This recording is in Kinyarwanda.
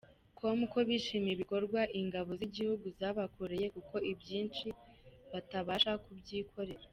com ko bishimiye ibikorwa ingabo z’igihugu zabakoreye kuko ibyinshi batabasha kubyikorera.